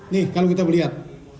nih kalau kita melihat